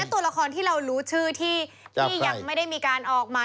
ตัวละครที่เรารู้ชื่อที่ยังไม่ได้มีการออกมา